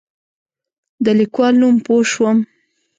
د لیکوال نوم پوه شوم.